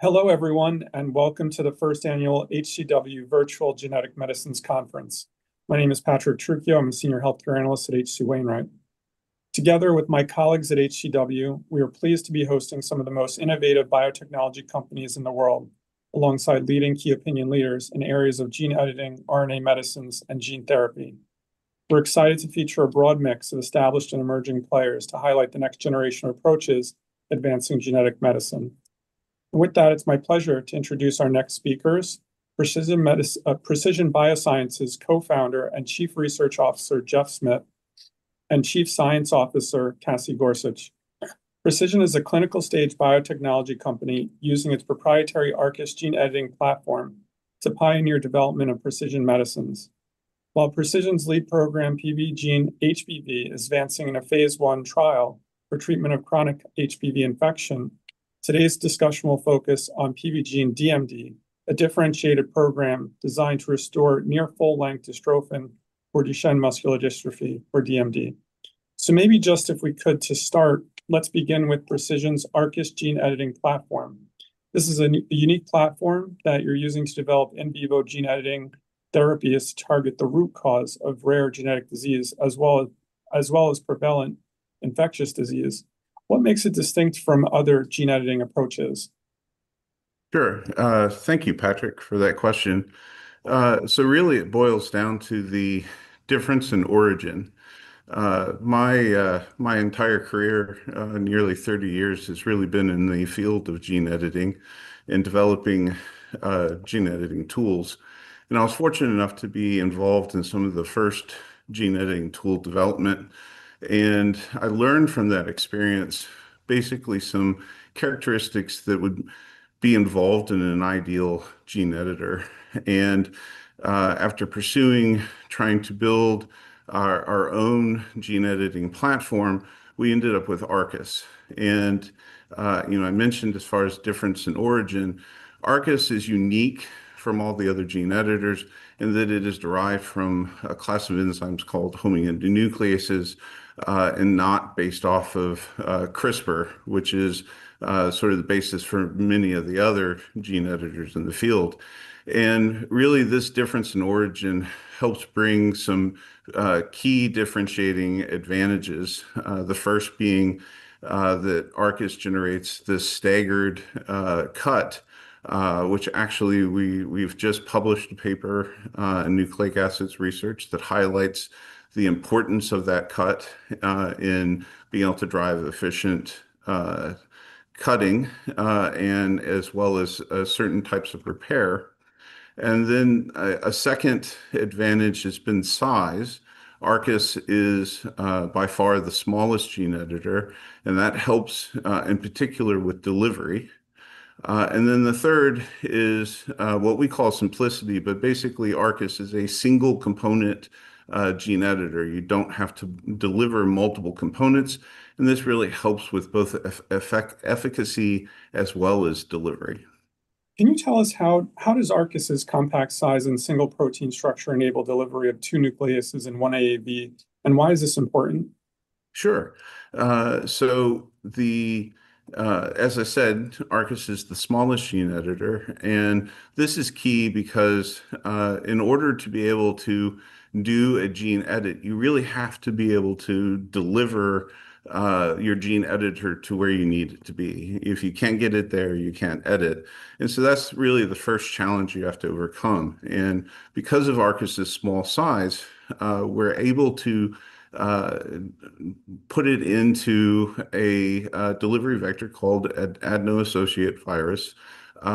Hello, everyone, and welcome to the First Annual HCW Virtual Genetic Medicines Conference. My name is Patrick Trucchio. I'm a Senior Healthcare Analyst at H.C. Wainwright. Together with my colleagues at HCW, we are pleased to be hosting some of the most innovative biotechnology companies in the world, alongside leading key opinion leaders in areas of gene-editing, RNA medicines, and gene therapy. We're excited to feature a broad mix of established and emerging players to highlight the next generation of approaches advancing genetic medicine. And with that, it's my pleasure to introduce our next speakers, Precision BioSciences Co-founder and Chief Research Officer Jeff Smith, and Chief Science Officer Cassie Gorsuch. Precision is a clinical-stage biotechnology company using its proprietary ARCUS gene-editing platform to pioneer development of Precision medicines. While Precision's lead program, PBGENE-HBV, is advancing in a phase I trial for treatment of chronic HBV infection, today's discussion will focus on PBGENE-DMD, a differentiated program designed to restore near full-length dystrophin or Duchenne muscular dystrophy, or DMD. So maybe just if we could to start, let's begin with Precision's ARCUS gene-editing platform. This is a unique platform that you're using to develop in vivo gene-editing therapies to target the root cause of rare genetic disease, as well as prevalent infectious disease. What makes it distinct from other gene-editing approaches? Sure. Thank you, Patrick, for that question. So really, it boils down to the difference in origin. My entire career, nearly 30 years, has really been in the field of gene-editing and developing gene-editing tools. And I was fortunate enough to be involved in some of the first gene-editing tool development. And I learned from that experience basically some characteristics that would be involved in an ideal gene editor. And after pursuing trying to build our own gene-editing platform, we ended up with ARCUS. And I mentioned as far as difference in origin, ARCUS is unique from all the other gene editors in that it is derived from a class of enzymes called homing endonucleases and not based off of CRISPR, which is sort of the basis for many of the other gene editors in the field. And really, this difference in origin helps bring some key differentiating advantages, the first being that ARCUS generates this staggered cut, which actually we've just published a paper, a Nucleic Acids Research that highlights the importance of that cut in being able to drive efficient cutting and as well as certain types of repair, and then a second advantage has been size. ARCUS is by far the smallest gene editor, and that helps in particular with delivery, and then the third is what we call simplicity, but basically, ARCUS is a single component gene editor. You don't have to deliver multiple components, and this really helps with both efficacy as well as delivery. Can you tell us how does ARCUS's compact size and single protein structure enable delivery of two nucleases and one AAV? And why is this important? Sure. So as I said, ARCUS is the smallest gene editor. And this is key because in order to be able to do a gene edit, you really have to be able to deliver your gene editor to where you need it to be. If you can't get it there, you can't edit. And so that's really the first challenge you have to overcome. And because of ARCUS's small size, we're able to put it into a delivery vector called adeno-associated virus,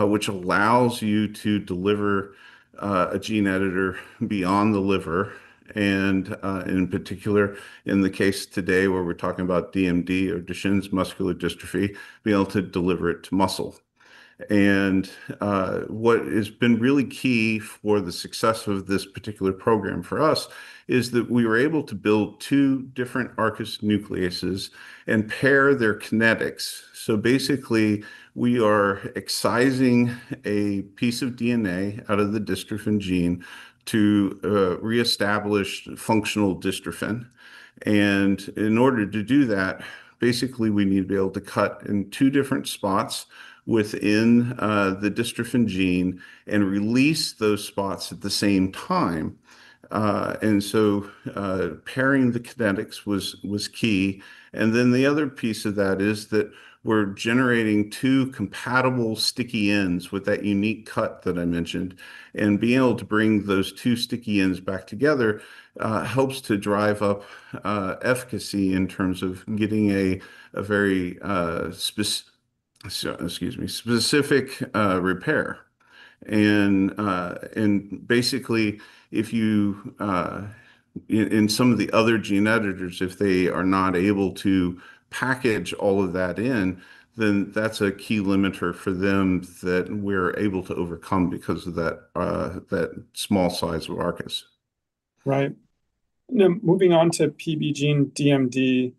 which allows you to deliver a gene editor beyond the liver. And in particular, in the case today where we're talking about DMD or Duchenne muscular dystrophy, being able to deliver it to muscle. And what has been really key for the success of this particular program for us is that we were able to build two different ARCUS nucleases and pair their kinetics. So basically, we are excising a piece of DNA out of the dystrophin gene to reestablish functional dystrophin. And in order to do that, basically, we need to be able to cut in two different spots within the dystrophin gene and release those spots at the same time. And so pairing the kinetics was key. And then the other piece of that is that we're generating two compatible sticky ends with that unique cut that I mentioned. And being able to bring those two sticky ends back together helps to drive up efficacy in terms of getting a very specific repair. And basically, in some of the other gene editors, if they are not able to package all of that in, then that's a key limiter for them that we're able to overcome because of that small size of ARCUS. Right. Now, moving on to PBGENE-DMD,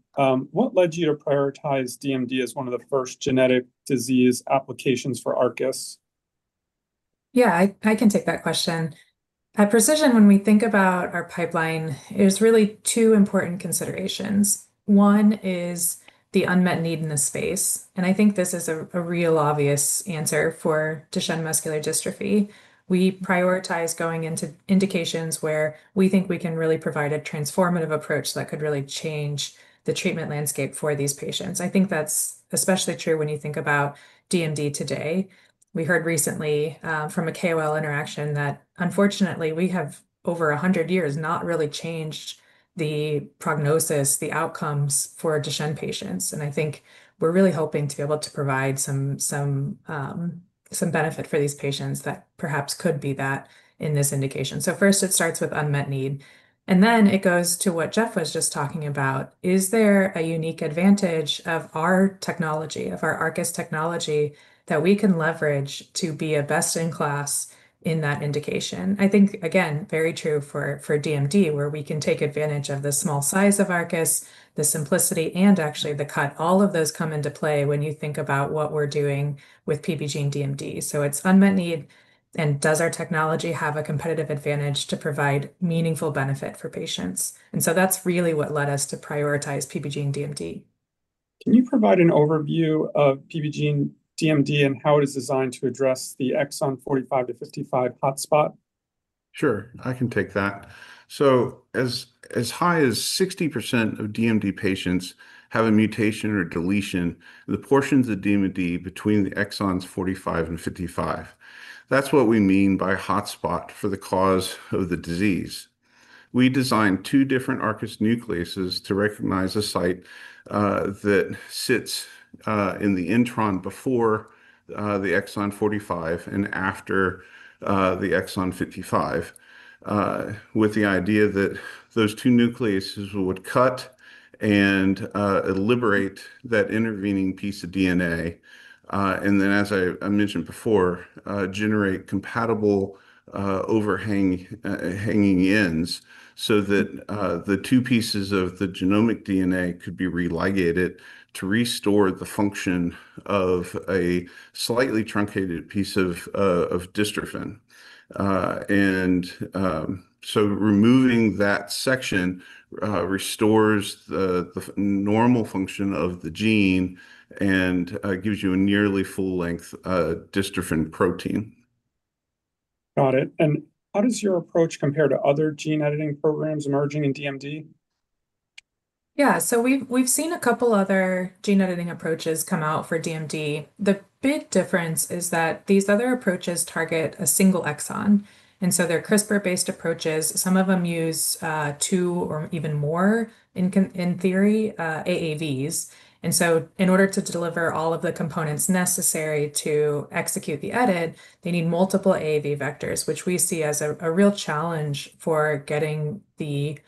what led you to prioritize DMD as one of the first genetic disease applications for ARCUS? Yeah, I can take that question. At Precision, when we think about our pipeline, there's really two important considerations. One is the unmet need in the space. And I think this is a real obvious answer for Duchenne muscular dystrophy. We prioritize going into indications where we think we can really provide a transformative approach that could really change the treatment landscape for these patients. I think that's especially true when you think about DMD today. We heard recently from a KOL interaction that, unfortunately, we have over 100 years not really changed the prognosis, the outcomes for Duchenne patients. And I think we're really hoping to be able to provide some benefit for these patients that perhaps could be that in this indication. So first, it starts with unmet need. And then it goes to what Jeff was just talking about. Is there a unique advantage of our technology, of our ARCUS technology, that we can leverage to be a best-in-class in that indication? I think, again, very true for DMD, where we can take advantage of the small size of ARCUS, the simplicity, and actually the cut. All of those come into play when you think about what we're doing with PBGENE-DMD. So it's unmet need, and does our technology have a competitive advantage to provide meaningful benefit for patients? And so that's really what led us to prioritize PBGENE-DMD. Can you provide an overview of PBGENE-DMD and how it is designed to address the exon 45-55 hotspot? Sure. I can take that, so as high as 60% of DMD patients have a mutation or deletion, the portions of DMD between the exons 45 and 55. That's what we mean by hotspot for the cause of the disease. We designed two different ARCUS nucleases to recognize a site that sits in the intron before the exon 45 and after the exon 55, with the idea that those two nucleases would cut and liberate that intervening piece of DNA, and then, as I mentioned before, generate compatible overhanging ends so that the two pieces of the genomic DNA could be religated to restore the function of a slightly truncated piece of dystrophin, and so removing that section restores the normal function of the gene and gives you a nearly full-length dystrophin protein. Got it. And how does your approach compare to other gene-editing programs emerging in DMD? Yeah. So we've seen a couple of other gene-editing approaches come out for DMD. The big difference is that these other approaches target a single exon. And so they're CRISPR-based approaches. Some of them use two or even more in theory, AAVs. And so in order to deliver all of the components necessary to execute the edit, they need multiple AAV vectors, which we see as a real challenge for getting the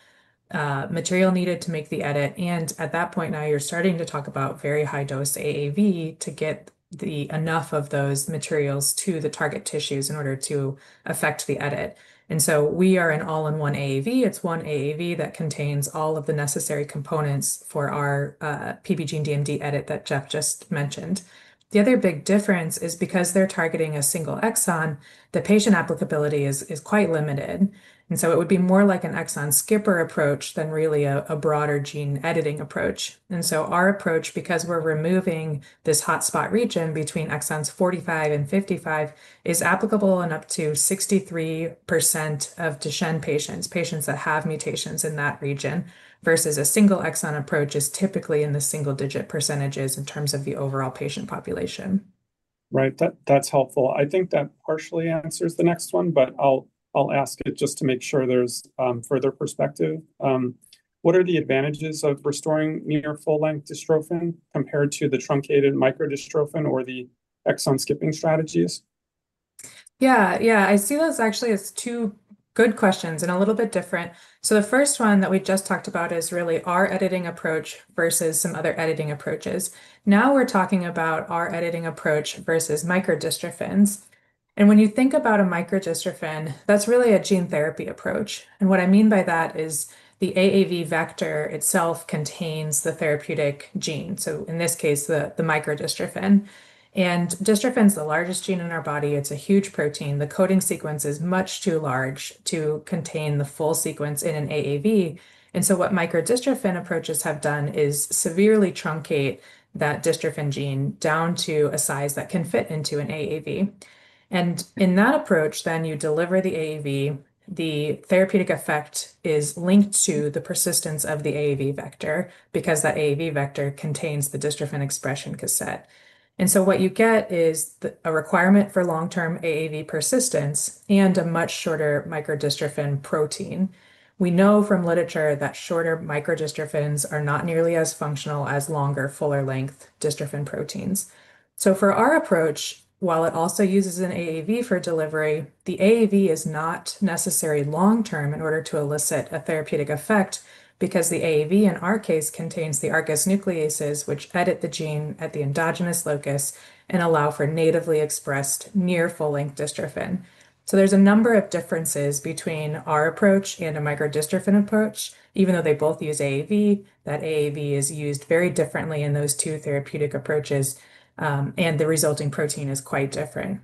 material needed to make the edit. And at that point, now you're starting to talk about very high-dose AAV to get enough of those materials to the target tissues in order to affect the edit. And so we are an all-in-one AAV. It's one AAV that contains all of the necessary components for our PBGENE-DMD edit that Jeff just mentioned. The other big difference is because they're targeting a single exon, the patient applicability is quite limited, and so it would be more like an exon skipping approach than really a broader gene-editing approach, and so our approach, because we're removing this hotspot region between exons 45 and 55, is applicable in up to 63% of Duchenne patients, patients that have mutations in that region, versus a single exon approach is typically in the single-digit percentages in terms of the overall patient population. Right. That's helpful. I think that partially answers the next one, but I'll ask it just to make sure there's further perspective. What are the advantages of restoring near full-length dystrophin compared to the truncated microdystrophin or the exon skipping strategies? Yeah, yeah. I see those actually as two good questions and a little bit different. So the first one that we just talked about is really our editing approach versus some other editing approaches. Now we're talking about our editing approach versus microdystrophins. And when you think about a microdystrophin, that's really a gene therapy approach. And what I mean by that is the AAV vector itself contains the therapeutic gene, so in this case, the microdystrophin. And dystrophin is the largest gene in our body. It's a huge protein. The coding sequence is much too large to contain the full sequence in an AAV. And so what microdystrophin approaches have done is severely truncate that dystrophin gene down to a size that can fit into an AAV. And in that approach, then you deliver the AAV, the therapeutic effect is linked to the persistence of the AAV vector because that AAV vector contains the dystrophin expression cassette. And so what you get is a requirement for long-term AAV persistence and a much shorter microdystrophin protein. We know from literature that shorter microdystrophins are not nearly as functional as longer, fuller-length dystrophin proteins. So for our approach, while it also uses an AAV for delivery, the AAV is not necessary long-term in order to elicit a therapeutic effect because the AAV in our case contains the ARCUS nucleases, which edit the gene at the endogenous locus and allow for natively expressed near full-length dystrophin. So there's a number of differences between our approach and a microdystrophin approach. Even though they both use AAV, that AAV is used very differently in those two therapeutic approaches, and the resulting protein is quite different.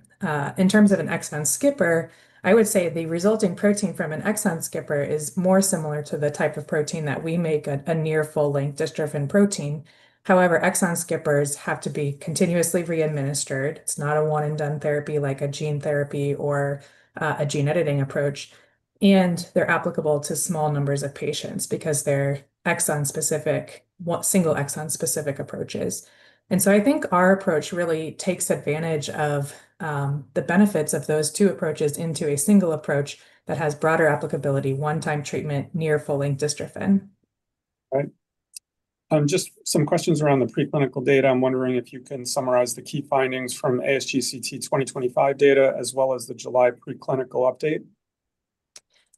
In terms of an exon skipper, I would say the resulting protein from an exon skipper is more similar to the type of protein that we make a near full-length dystrophin protein. However, exon skippers have to be continuously readministered. It's not a one-and-done therapy like a gene therapy or a gene-editing approach. And they're applicable to small numbers of patients because they're single exon-specific approaches. And so I think our approach really takes advantage of the benefits of those two approaches into a single approach that has broader applicability, one-time treatment, near full-length dystrophin. Right. Just some questions around the preclinical data. I'm wondering if you can summarize the key findings from ASGCT 2025 data as well as the July preclinical update.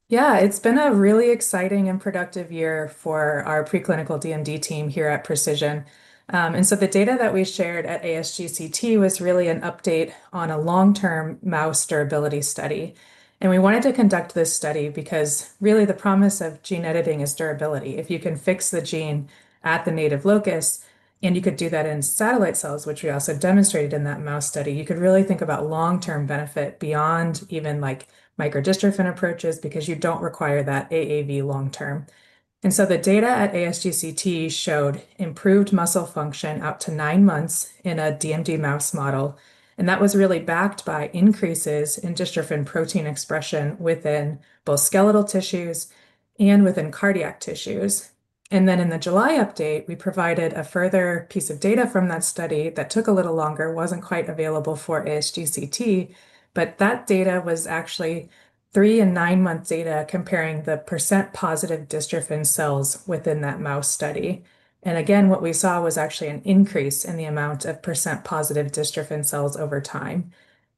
Yeah, it's been a really exciting and productive year for our preclinical DMD team here at Precision. And so the data that we shared at ASGCT was really an update on a long-term mouse durability study. And we wanted to conduct this study because really the promise of gene-editing is durability. If you can fix the gene at the native locus, and you could do that in satellite cells, which we also demonstrated in that mouse study, you could really think about long-term benefit beyond even microdystrophin approaches because you don't require that AAV long-term. And so the data at ASGCT showed improved muscle function out to nine months in a DMD mouse model. And that was really backed by increases in dystrophin protein expression within both skeletal tissues and within cardiac tissues. And then in the July update, we provided a further piece of data from that study that took a little longer, wasn't quite available for ASGCT, but that data was actually three-and nine-month data comparing the % positive dystrophin cells within that mouse study. And again, what we saw was actually an increase in the amount of % positive dystrophin cells over time.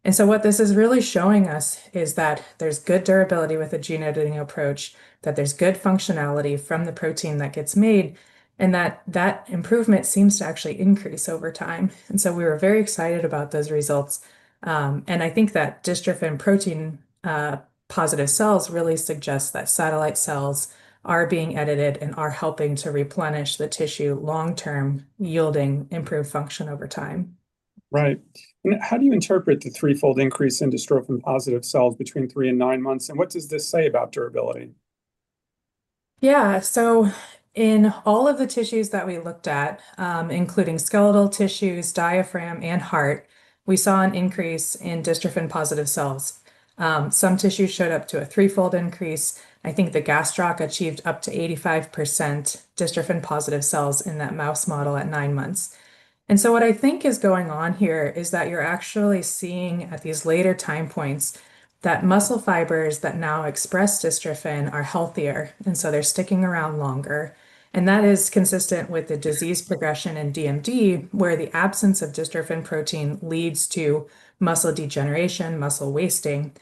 And so what this is really showing us is that there's good durability with a gene-editing approach, that there's good functionality from the protein that gets made, and that that improvement seems to actually increase over time. And so we were very excited about those results. And I think that dystrophin-protein positive cells really suggest that satellite cells are being edited and are helping to replenish the tissue long-term, yielding improved function over time. Right. And how do you interpret the threefold increase in dystrophin-positive cells between three and nine months? And what does this say about durability? Yeah. So in all of the tissues that we looked at, including skeletal tissues, diaphragm, and heart, we saw an increase in dystrophin-positive cells. Some tissues showed up to a threefold increase. I think the gastroc achieved up to 85% dystrophin-positive cells in that mouse model at nine months. And so what I think is going on here is that you're actually seeing at these later time points that muscle fibers that now express dystrophin are healthier, and so they're sticking around longer. And that is consistent with the disease progression in DMD, where the absence of dystrophin protein leads to muscle degeneration, muscle wasting.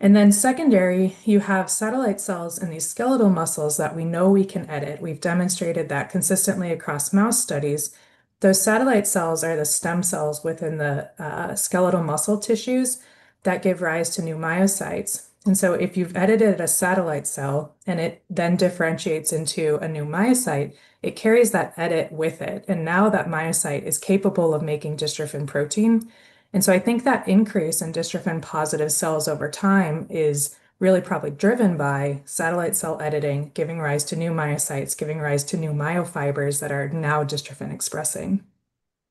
And then secondary, you have satellite cells in these skeletal muscles that we know we can edit. We've demonstrated that consistently across mouse studies. Those satellite cells are the stem cells within the skeletal muscle tissues that give rise to new myocytes. And so if you've edited a satellite cell and it then differentiates into a new myocyte, it carries that edit with it. And now that myocyte is capable of making dystrophin protein. And so I think that increase in dystrophin-positive cells over time is really probably driven by satellite cell editing, giving rise to new myocytes, giving rise to new myofibers that are now dystrophin expressing.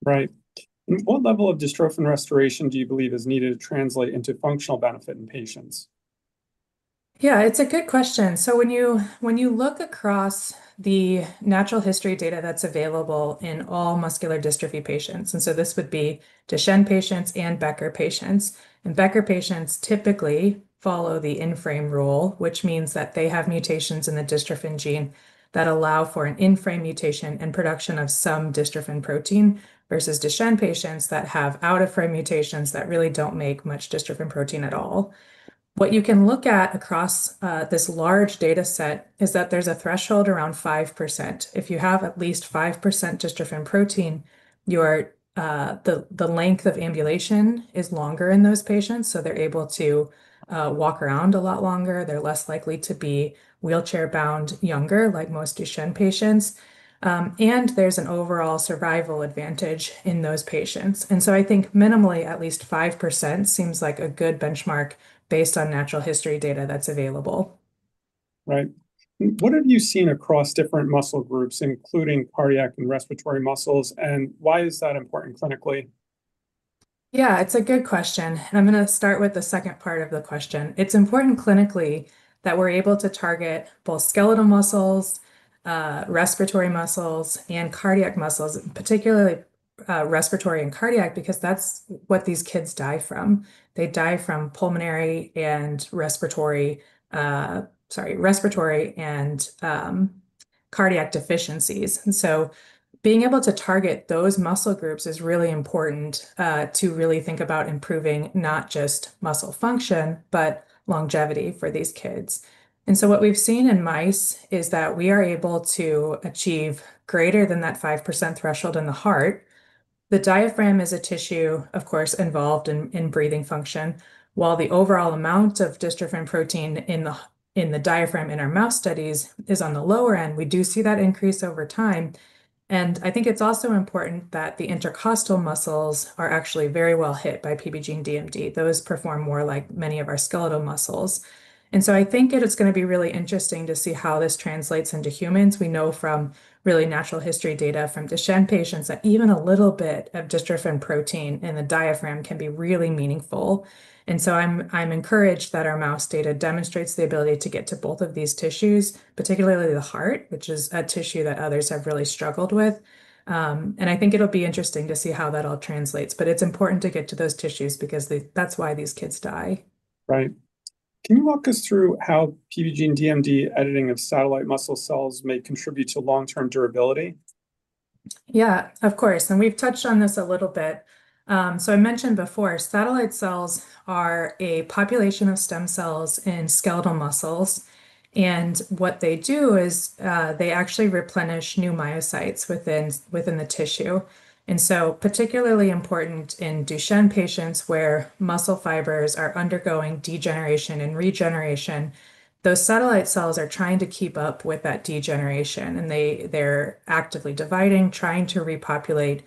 Right. What level of dystrophin restoration do you believe is needed to translate into functional benefit in patients? Yeah, it's a good question. So when you look across the natural history data that's available in all muscular dystrophy patients, and so this would be Duchenne patients and Becker patients. And Becker patients typically follow the in-frame rule, which means that they have mutations in the dystrophin gene that allow for an in-frame mutation and production of some dystrophin protein versus Duchenne patients that have out-of-frame mutations that really don't make much dystrophin protein at all. What you can look at across this large data set is that there's a threshold around 5%. If you have at least 5% dystrophin protein, the length of ambulation is longer in those patients, so they're able to walk around a lot longer. They're less likely to be wheelchair-bound younger, like most Duchenne patients. And there's an overall survival advantage in those patients. And so I think minimally at least 5% seems like a good benchmark based on natural history data that's available. Right. What have you seen across different muscle groups, including cardiac and respiratory muscles? And why is that important clinically? Yeah, it's a good question. And I'm going to start with the second part of the question. It's important clinically that we're able to target both skeletal muscles, respiratory muscles, and cardiac muscles, particularly respiratory and cardiac, because that's what these kids die from. They die from pulmonary and respiratory, sorry, respiratory and cardiac deficiencies. And so being able to target those muscle groups is really important to really think about improving not just muscle function, but longevity for these kids. And so what we've seen in mice is that we are able to achieve greater than that 5% threshold in the heart. The diaphragm is a tissue, of course, involved in breathing function. While the overall amount of dystrophin protein in the diaphragm in our mouse studies is on the lower end, we do see that increase over time. And I think it's also important that the intercostal muscles are actually very well hit by PBGENE-DMD. Those perform more like many of our skeletal muscles. And so I think it's going to be really interesting to see how this translates into humans. We know from really natural history data from Duchenne patients that even a little bit of dystrophin protein in the diaphragm can be really meaningful. And so I'm encouraged that our mouse data demonstrates the ability to get to both of these tissues, particularly the heart, which is a tissue that others have really struggled with. And I think it'll be interesting to see how that all translates, but it's important to get to those tissues because that's why these kids die. Right. Can you walk us through how PBGENE-DMD editing of satellite muscle cells may contribute to long-term durability? Yeah, of course. And we've touched on this a little bit. So I mentioned before, satellite cells are a population of stem cells in skeletal muscles. And what they do is they actually replenish new myocytes within the tissue. And so particularly important in Duchenne patients where muscle fibers are undergoing degeneration and regeneration, those satellite cells are trying to keep up with that degeneration. And they're actively dividing, trying to repopulate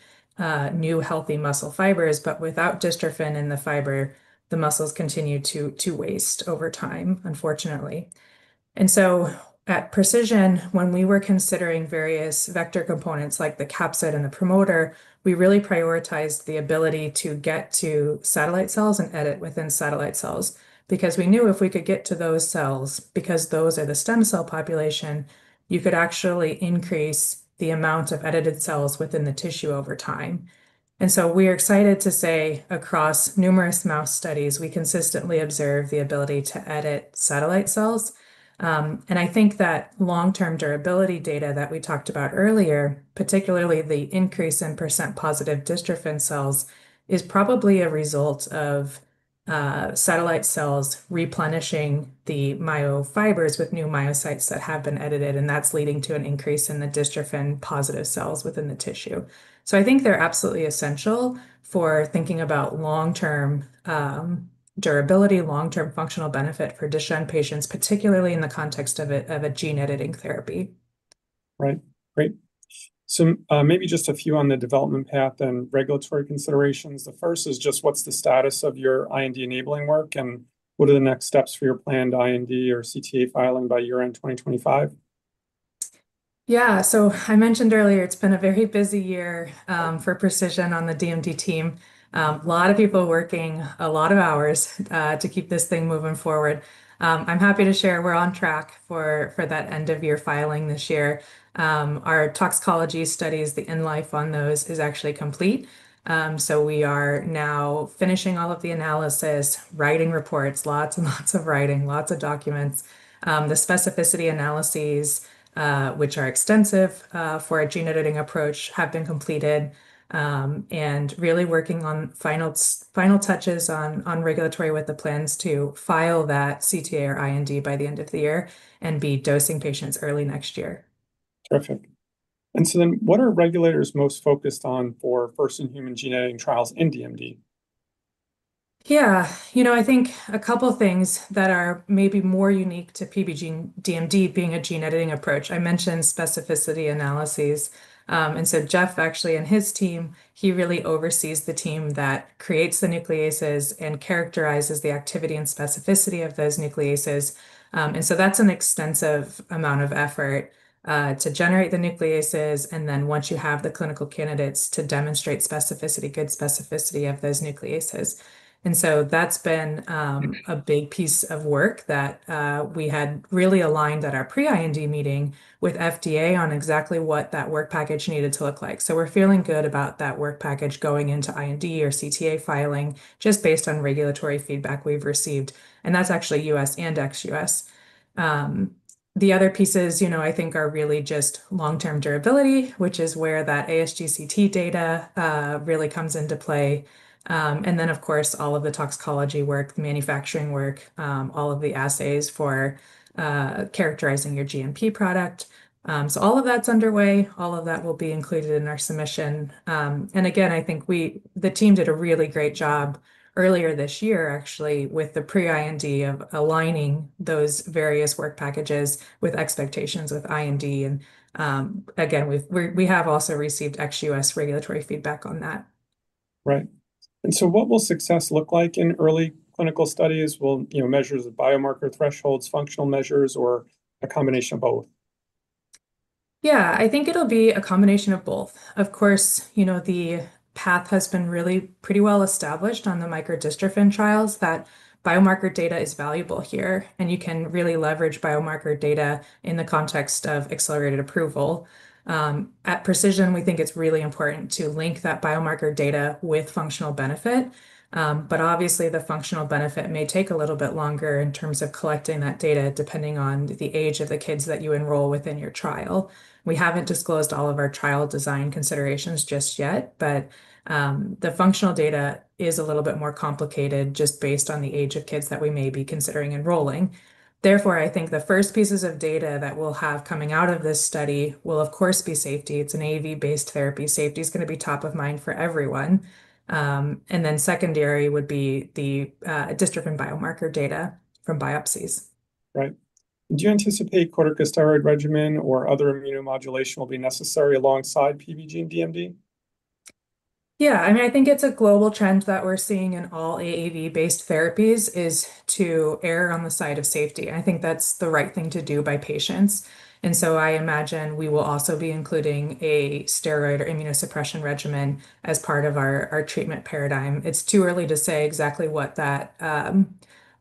new healthy muscle fibers. But without dystrophin in the fiber, the muscles continue to waste over time, unfortunately. And so at Precision, when we were considering various vector components like the capsid and the promoter, we really prioritized the ability to get to satellite cells and edit within satellite cells because we knew if we could get to those cells, because those are the stem cell population, you could actually increase the amount of edited cells within the tissue over time. And so we're excited to say across numerous mouse studies, we consistently observe the ability to edit satellite cells. And I think that long-term durability data that we talked about earlier, particularly the increase in percent positive dystrophin cells, is probably a result of satellite cells replenishing the myofibers with new myocytes that have been edited, and that's leading to an increase in the dystrophin-positive cells within the tissue. I think they're absolutely essential for thinking about long-term durability, long-term functional benefit for Duchenne patients, particularly in the context of a gene-editing therapy. Right. Great. So maybe just a few on the development path and regulatory considerations. The first is just what's the status of your IND enabling work and what are the next steps for your planned IND or CTA filing by year-end 2025? Yeah. So I mentioned earlier, it's been a very busy year for Precision on the DMD team. A lot of people working a lot of hours to keep this thing moving forward. I'm happy to share we're on track for that end-of-year filing this year. Our toxicology studies, the in-life on those is actually complete. So we are now finishing all of the analysis, writing reports, lots and lots of writing, lots of documents. The specificity analyses, which are extensive for a gene-editing approach, have been completed and really working on final touches on regulatory with the plans to file that CTA or IND by the end of the year and be dosing patients early next year. Perfect. And so then what are regulators most focused on for first-in-human gene-editing trials in DMD? Yeah. You know, I think a couple of things that are maybe more unique toPBGENE-DMD being a gene-editing approach. I mentioned specificity analyses, and so Jeff actually and his team, he really oversees the team that creates the nucleases and characterizes the activity and specificity of those nucleases, and so that's an extensive amount of effort to generate the nucleases, and then once you have the clinical candidates to demonstrate good specificity of those nucleases, and so that's been a big piece of work that we had really aligned at our pre-IND meeting with FDA on exactly what that work package needed to look like, so we're feeling good about that work package going into IND or CTA filing just based on regulatory feedback we've received, and that's actually U.S. and ex-U.S. The other pieces, you know, I think are really just long-term durability, which is where that ASGCT data really comes into play. And then, of course, all of the toxicology work, the manufacturing work, all of the assays for characterizing your GMP product. So all of that's underway. All of that will be included in our submission. And again, I think the team did a really great job earlier this year, actually, with the pre-IND of aligning those various work packages with expectations with IND. And again, we have also received ex-US regulatory feedback on that. Right. And so what will success look like in early clinical studies? Well, you know, measures of biomarker thresholds, functional measures, or a combination of both? Yeah, I think it'll be a combination of both. Of course, you know, the path has been really pretty well established on the microdystrophin trials that biomarker data is valuable here, and you can really leverage biomarker data in the context of accelerated approval. At Precision, we think it's really important to link that biomarker data with functional benefit. But obviously, the functional benefit may take a little bit longer in terms of collecting that data, depending on the age of the kids that you enroll within your trial. We haven't disclosed all of our trial design considerations just yet, but the functional data is a little bit more complicated just based on the age of kids that we may be considering enrolling. Therefore, I think the first pieces of data that we'll have coming out of this study will, of course, be safety. It's an AAV-based therapy. Safety is going to be top of mind for everyone, and then secondary would be the dystrophin biomarker data from biopsies. Right. Do you anticipate corticosteroid regimen or other immunomodulation will be necessary alongside PBGENE-DMD? Yeah. I mean, I think it's a global trend that we're seeing in all AAV-based therapies is to err on the side of safety. I think that's the right thing to do by patients. And so I imagine we will also be including a steroid or immunosuppression regimen as part of our treatment paradigm. It's too early to say exactly what that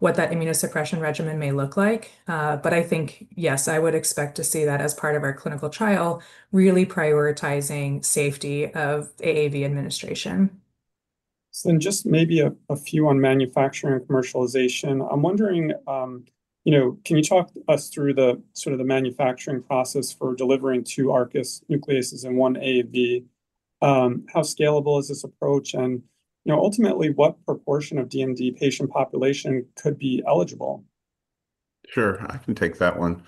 immunosuppression regimen may look like. But I think, yes, I would expect to see that as part of our clinical trial, really prioritizing safety of AAV administration. Just maybe a few on manufacturing and commercialization. I'm wondering, you know, can you talk us through sort of the manufacturing process for delivering two ARCUS nucleases and one AAV? How scalable is this approach? And, you know, ultimately, what proportion of DMD patient population could be eligible? Sure. I can take that one.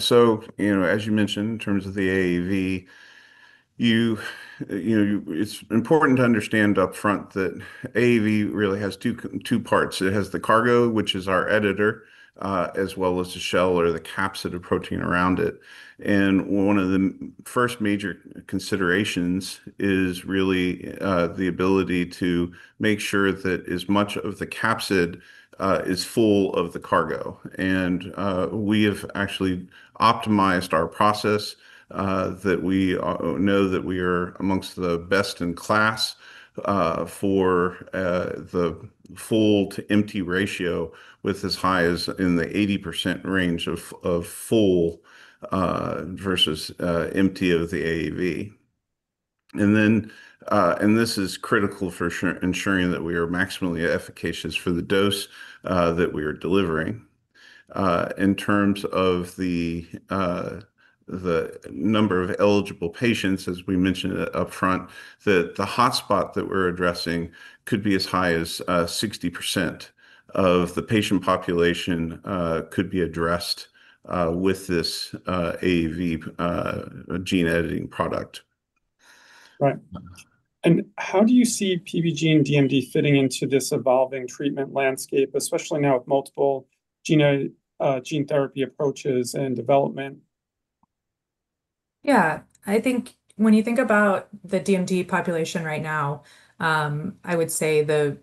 So, you know, as you mentioned, in terms of the AAV, it's important to understand upfront that AAV really has two parts. It has the cargo, which is our editor, as well as the shell or the capsid or protein around it. And one of the first major considerations is really the ability to make sure that as much of the capsid is full of the cargo. And we have actually optimized our process that we know that we are amongst the best in class for the full-to-empty ratio with as high as in the 80% range of full versus empty of the AAV. And this is critical for ensuring that we are maximally efficacious for the dose that we are delivering. In terms of the number of eligible patients, as we mentioned upfront, the hotspot that we're addressing could be as high as 60% of the patient population could be addressed with this AAV gene-editing product. Right. And how do you see PBGENE-DMD fitting into this evolving treatment landscape, especially now with multiple gene therapy approaches and development? Yeah. I think when you think about the DMD population right now, I would say the,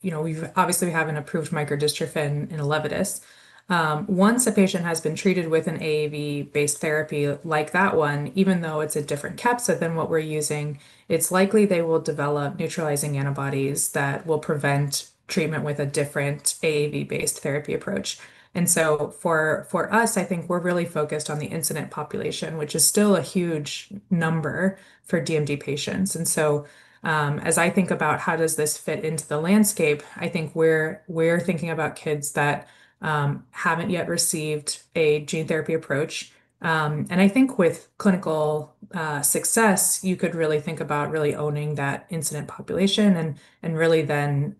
you know, obviously we have an approved microdystrophin in Elevidys. Once a patient has been treated with an AAV-based therapy like that one, even though it's a different capsid than what we're using, it's likely they will develop neutralizing antibodies that will prevent treatment with a different AAV-based therapy approach. And so for us, I think we're really focused on the incident population, which is still a huge number for DMD patients. And so as I think about how does this fit into the landscape, I think we're thinking about kids that haven't yet received a gene therapy approach. And I think with clinical success, you could really think about really owning that incident population and really then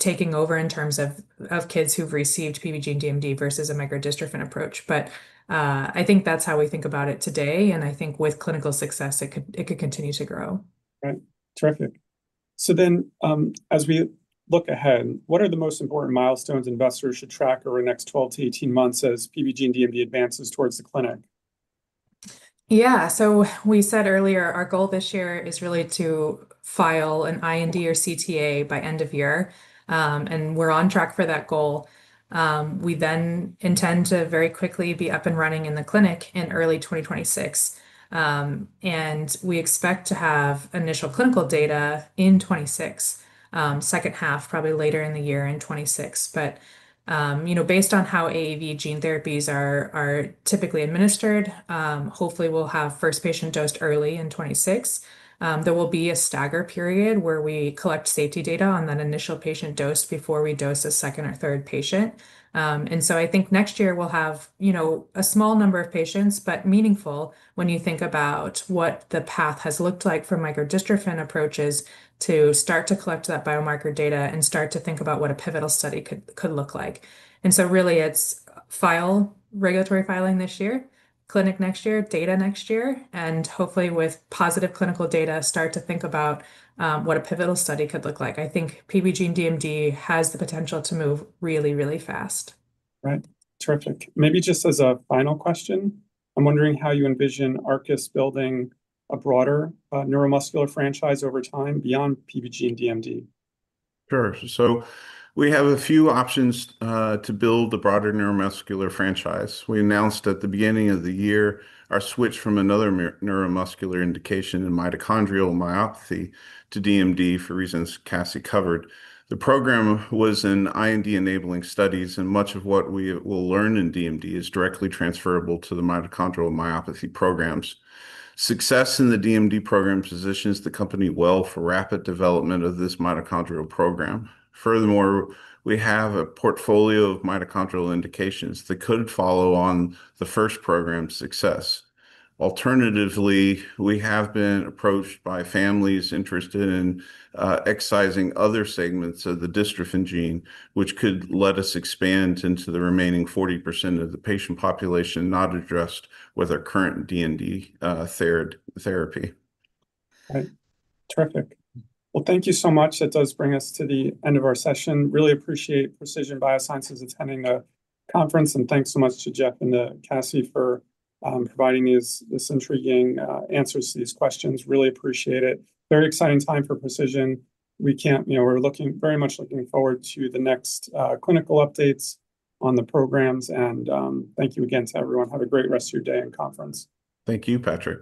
taking over in terms of kids who've received PBGENE-DMD versus a microdystrophin approach. But I think that's how we think about it today. And I think with clinical success, it could continue to grow. Right. Terrific. So then as we look ahead, what are the most important milestones investors should track over the next 12 to 18 months as PBGENE-DMD advances towards the clinic? Yeah. So we said earlier our goal this year is really to file an IND or CTA by end of year, and we're on track for that goal. We then intend to very quickly be up and running in the clinic in early 2026, and we expect to have initial clinical data in 2026, second half, probably later in the year in 2026. But you know, based on how AAV gene therapies are typically administered, hopefully we'll have first patient dosed early in 2026. There will be a stagger period where we collect safety data on that initial patient dose before we dose a second or third patient. And so I think next year we'll have, you know, a small number of patients, but meaningful when you think about what the path has looked like for microdystrophin approaches to start to collect that biomarker data and start to think about what a pivotal study could look like. And so really it's regulatory filing this year, clinic next year, data next year, and hopefully with positive clinical data, start to think about what a pivotal study could look like. I think PBGENE-DMD has the potential to move really, really fast. Right. Terrific. Maybe just as a final question, I'm wondering how you envision ARCUS building a broader neuromuscular franchise over time beyond PBG and DMD? Sure. So we have a few options to build the broader neuromuscular franchise. We announced at the beginning of the year our switch from another neuromuscular indication in mitochondrial myopathy to DMD for reasons Cassie covered. The program was in IND enabling studies, and much of what we will learn in DMD is directly transferable to the mitochondrial myopathy programs. Success in the DMD program positions the company well for rapid development of this mitochondrial program. Furthermore, we have a portfolio of mitochondrial indications that could follow on the first program's success. Alternatively, we have been approached by families interested in excising other segments of the dystrophin gene, which could let us expand into the remaining 40% of the patient population not addressed with our current DMD therapy. Right. Terrific. Well, thank you so much. That does bring us to the end of our session. Really appreciate Precision BioSciences attending the conference, and thanks so much to Jeff and Cassie for providing these intriguing answers to these questions. Really appreciate it. Very exciting time for Precision. We can't, you know, we're looking very much forward to the next clinical updates on the programs. Thank you again to everyone. Have a great rest of your day and conference. Thank you, Patrick.